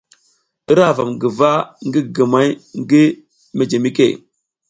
I ra huvam guva ngi gigimay ngi mejemike.